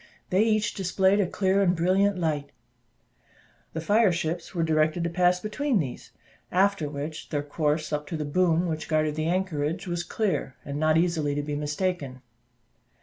They each displayed a clear and brilliant light; the fire ships were directed to pass between these; after which, their course up to the boom which guarded the anchorage, was clear, and not easily to be mistaken.